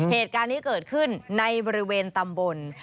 เหตุการณ์นี้เกิดขึ้นในบริเวณตำบล